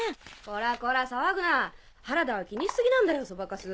こらこら騒ぐな原田は気にし過ぎなんだよソバカス。